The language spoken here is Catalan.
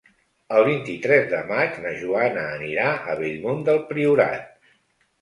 El vint-i-tres de maig na Joana anirà a Bellmunt del Priorat.